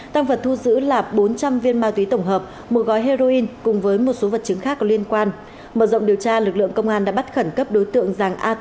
tàng vật thu giữ là sáu tám trăm linh viên ma túy tổng hợp một cân điện tử bốn mươi bốn triệu năm trăm linh nghìn đồng